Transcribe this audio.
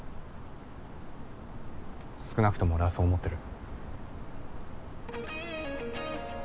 少なくとも俺はそう思ってる。